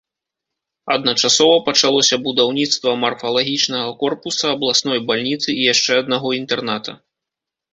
Адначасова пачалося будаўніцтва марфалагічнага корпуса, абласной бальніцы і яшчэ аднаго інтэрната.